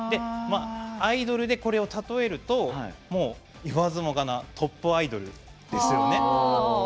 アイドルでこれを例えると、いわずもがなトップアイドルですよね。